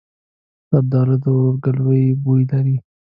زردالو د ورورګلوۍ بوی لري.